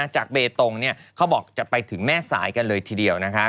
จะไปถึงแม่สายกันเลยทีเดียวนะคะ